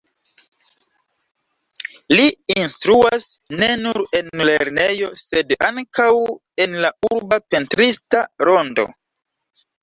Li instruas ne nur en lernejo, sed ankaŭ en la urba pentrista rondo.